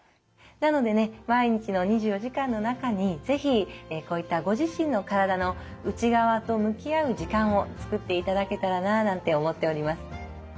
なのでね毎日の２４時間の中に是非こういったご自身の体の内側と向き合う時間を作っていただけたらななんて思っております。